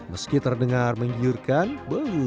meski terdengar menggiur giur